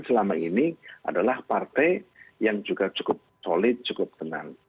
selama ini adalah partai yang juga cukup solid cukup tenang